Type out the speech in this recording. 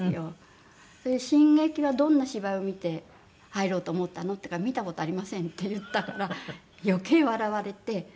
で「新劇はどんな芝居を見て入ろうと思ったの？」と言うから「見た事ありません」って言ったから余計笑われて。